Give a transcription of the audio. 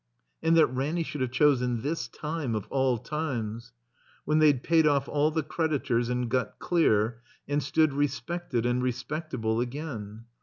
And that Ranny should have chosen this time of all times! When they'd paid off all the creditors and got clear, and stood respected and respectable again.